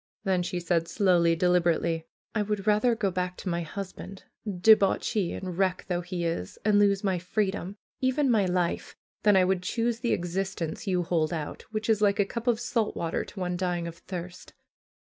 Then she said slowly, delib erately : ''1 would rather go back to my husband, debauchee and wreck though he is, and lose my freedom, even my life, than I would choose the existence you hold out, which is like a cup of salt water to one dying of thirst.